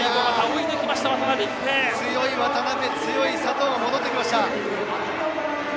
強い渡辺、強い佐藤が戻ってきました。